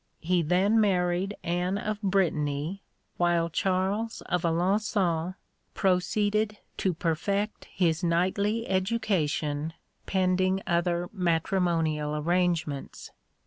He then married Anne of Brittany, while Charles of Alençon proceeded to perfect his knightly education, pending other matrimonial arrangements.